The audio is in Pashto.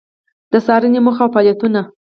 د څــارنـې موخـه او فعالیـتونـه: